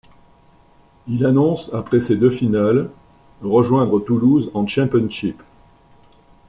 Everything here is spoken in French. Il annonce, après ces deux finales, rejoindre Toulouse en Championship.